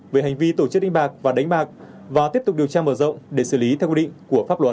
về hành vi tổ chức đánh bạc và đánh bạc và tiếp tục điều tra mở rộng để xử lý theo quy định của pháp luật